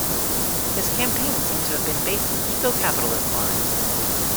His campaign seems to have been based on eco-capitalist lines.